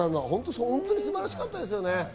本当に素晴らしかったですよね。